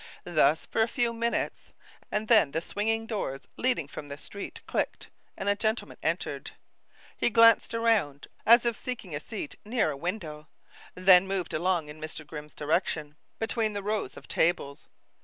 Thus for a few minutes, and then the swinging doors leading from the street clicked, and a gentleman entered. He glanced around, as if seeking a seat near a window, then moved along in Mr. Grimm's direction, between the rows of tables.